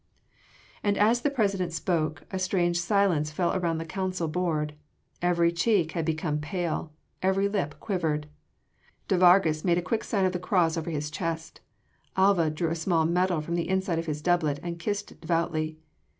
And as the President spoke, a strange silence fell around the council board: every cheek had become pale, every lip quivered. De Vargas made a quick sign of the Cross over his chest: Alva drew a small medal from the inside of his doublet and kissed it devoutly.